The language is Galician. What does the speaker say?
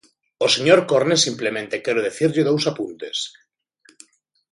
Ao señor Cornes simplemente quero dicirlle dous apuntes.